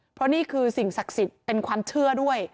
เพราะนี่คือสิ่งศักดิ์สิทธิ์เป็นความเชื่อด้วย